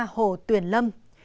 hồ tuyền lâm